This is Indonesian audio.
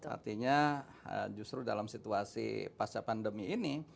artinya justru dalam situasi pasca pandemi ini